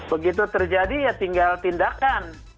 begitu terjadi ya tinggal tindakan